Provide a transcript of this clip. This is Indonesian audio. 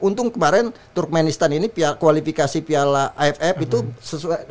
untung kemarin turkmenistan ini kualifikasi piala aff itu sesuai